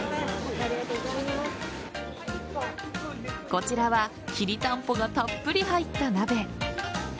こちらはきりたんぽがたっぷり入った鍋。